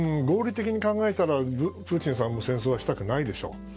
合理的に考えたらプーチンさんも戦争はしたくないでしょう。